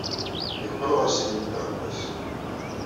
Yeqqel ɣer Sidi Belɛebbas.